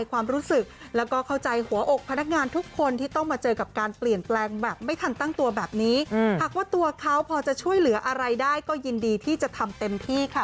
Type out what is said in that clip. เขาพอจะช่วยเหลืออะไรได้ก็ยินดีที่จะทำเต็มที่ค่ะ